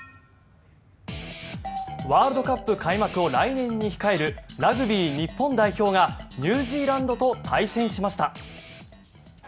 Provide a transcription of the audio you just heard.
ワールドカップ開幕を来年に控えるラグビー日本代表がニュージーランドと対戦しました。